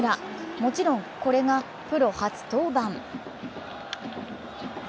もちろんこれがプロ初登板。